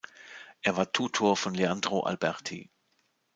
Er war Tutor von Leandro Alberti.